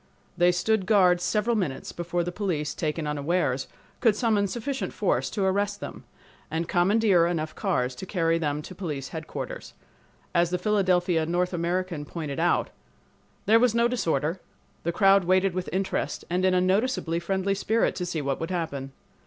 They stood guard several minutes before the police, taken unawares, could summon sufficient force to arrest them, and commandeer enough cars to carry them to police headquarters. As the Philadelphia North American pointed out: "There was no disorder. The crowd waited with interest and in a noticeably friendly spirit to see what would happen.